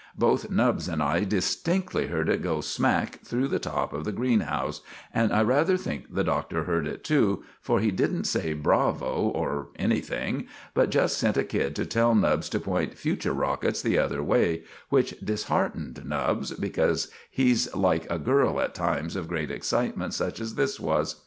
Both Nubbs and I distinctly heard it go smack through the top of the greenhouse, and I rather think the Doctor heard it too, for he didn't say "Bravo" or anything, but just sent a kid to tell Nubbs to point future rockets the other way, which disheartened Nubbs, because he's like a girl at times of great excitement such as this was.